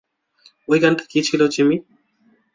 ওই গানটা কী ছিল, জিমি?